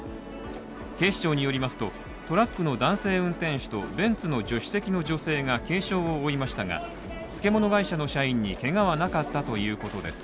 警視庁によりますと、トラックの男性運転手とベンツの助手席の女性が軽傷を負いましたが、漬物会社の社員にけがはなかったということです。